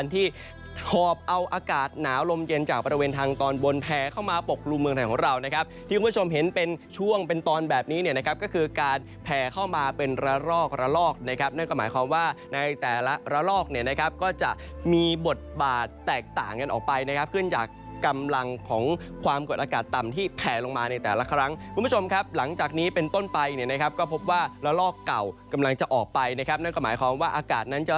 ที่คุณผู้ชมเห็นเป็นช่วงเป็นตอนแบบนี้เนี้ยนะครับก็คือการแผ่เข้ามาเป็นระลอกระลอกนะครับนั่นก็หมายความว่าในแต่ละระลอกเนี้ยนะครับก็จะมีบทบาทแตกต่างกันออกไปนะครับขึ้นจากกำลังของความกดอากาศต่ำที่แผ่ลงมาในแต่ละครั้งคุณผู้ชมครับหลังจากนี้เป็นต้นไปเนี้ยนะครับก็พบว่าระลอกเก่ากำลังจะออก